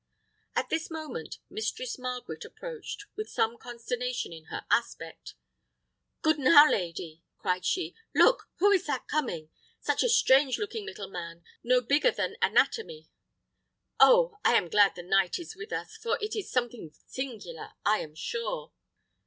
At this moment Mistress Margaret approached, with some consternation in her aspect. "Good now, lady!" cried she; "look! who is that coming? Such a strange looking little man, no bigger than an atomy! Oh! I am glad the knight is with us; for it is something singular, I am sure."